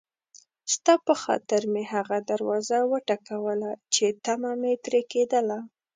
ستا په خاطر مې هغه دروازه وټکوله چې طمعه مې ترې کېدله.